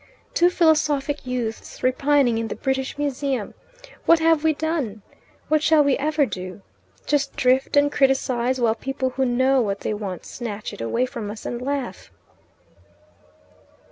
Two philosophic youths repining in the British Museum! What have we done? What shall we ever do? Just drift and criticize, while people who know what they want snatch it away from us and laugh."